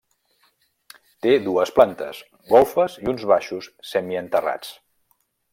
Té dues plantes, golfes i uns baixos semienterrats.